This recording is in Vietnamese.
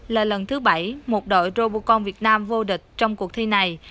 là lần thứ bảy một đội robocom việt nam vô địch trong cuộc thi này